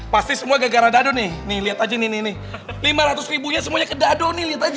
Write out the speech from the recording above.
pasti semua gara gara dadu nih nih liat aja nih lima ratus ribunya semuanya ke dadu nih liat aja